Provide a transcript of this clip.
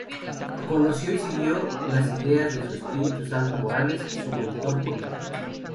Conoció y siguió las ideas de Espíritu Santo Morales, su mentor político.